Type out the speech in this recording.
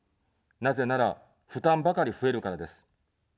なぜなら、負担ばかり増えるからです。